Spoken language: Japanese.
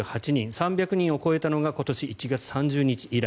３００人を超えたのが今年１月３０日以来。